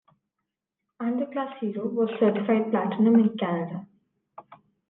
"Underclass Hero" was certified Platinum in Canada.